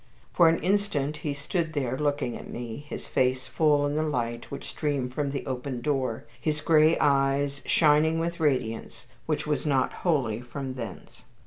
For an instant he stood there looking up at me, his face full in the light which streamed from the open door, his gray eyes shining with a radiance which was not wholly from thence.